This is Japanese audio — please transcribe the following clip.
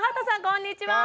こんにちは。